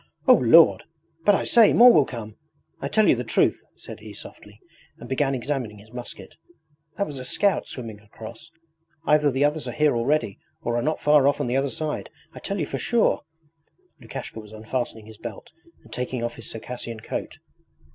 'O Lord! But I say, more will come! I tell you the truth,' said he softly, and began examining his musket. 'That was a scout swimming across: either the others are here already or are not far off on the other side I tell you for sure!' Lukashka was unfastening his belt and taking off his Circassian coat.